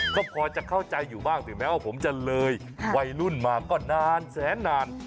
ก็พอจะเข้าใจอยู่บ้างถึงแม้ว่าผมจะเลยวัยรุ่นมาก็นานแสนนาน